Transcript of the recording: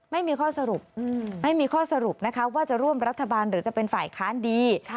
ไม่มีข้อสรุปไม่มีข้อสรุปนะคะว่าจะร่วมรัฐบาลหรือจะเป็นฝ่ายค้านดี